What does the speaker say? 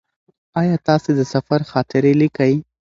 ایا تاسې د سفر خاطرې لیکئ؟